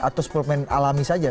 atau suplemen alami saja